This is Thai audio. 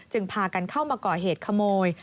พากันเข้ามาก่อเหตุขโมย